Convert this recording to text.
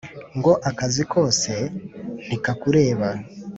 ngo akazi kose ntikakureba